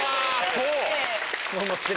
そう？